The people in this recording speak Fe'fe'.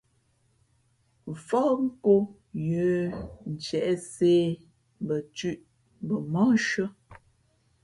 Fóh nkō yə̌ ntiēʼsē, mbα thʉ̄ʼ mbα móhshʉ̄ᾱ.